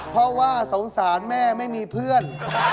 เพราะว่าสงสารแม่ไม่มีเพื่อน